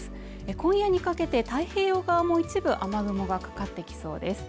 今夜にかけて太平洋側も一部雨雲がかかってきそうです